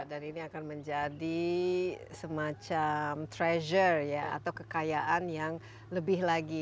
dan ini akan menjadi semacam treasure atau kekayaan yang lebih lagi